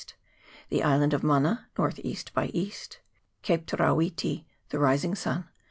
the island of Mana, N.E. by E. ; Cape Terawiti (the Rising Sun), S.